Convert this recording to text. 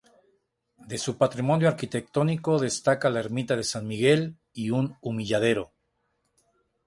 De su patrimonio arquitectónico destaca la ermita de San Miguel y un humilladero.